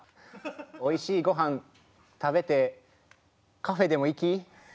おいしいご飯食べてカフェでも行き。